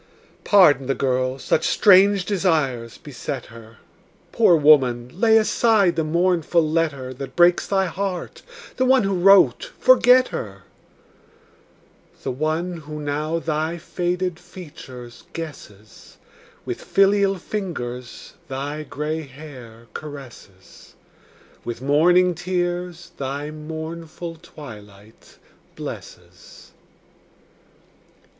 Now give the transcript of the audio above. Pardon the girl; such strange desires beset her. Poor woman, lay aside the mournful letter That breaks thy heart; the one who wrote, forget her: The one who now thy faded features guesses, With filial fingers thy gray hair caresses, With morning tears thy mournful twilight blesses.